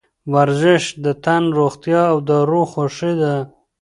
ورزش د تن روغتیا او د روح خوښي ده.